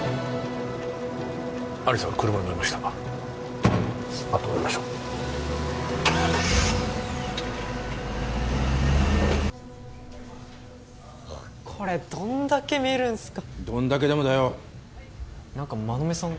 亜理紗が車に乗りましたあとを追いましょうこれどんだけ見るんすかどんだけでもだよ何か馬目さん